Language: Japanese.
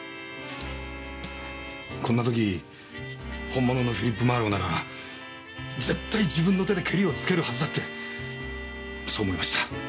こんな時本物のフィリップ・マーロウなら絶対自分の手でケリをつけるはずだってそう思いました。